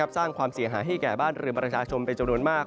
สร้างความเสียหายให้แก่บ้านเรือนประชาชนเป็นจำนวนมาก